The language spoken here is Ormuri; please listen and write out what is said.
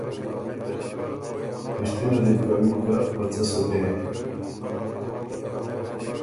پِشتِنه دی بو کوِن که ”په څۀ سُکې؟“